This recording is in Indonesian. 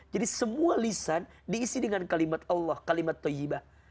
jadi semua lisan diisi dengan kalimat allah kalimat tawheebah